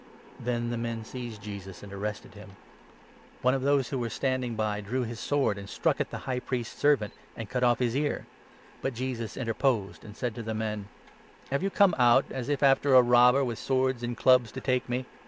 Then the men seized Jesus, 46 and arrested him. One of those who were standing by 47 drew his sword, and struck at the High Priest's servant, and cut off his ear. But Jesus interposed, and said to the men : 48 "Have you come out, as if after a robber, with swords and clubs, to take me?